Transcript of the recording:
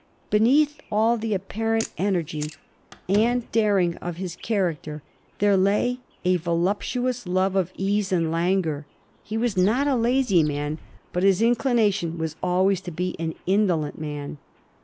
Beneath all the apparent energy and daring of his character there lay a voluptuous love of ease and languor. He was not a lazy man, but his inclination was always to be an indolent man.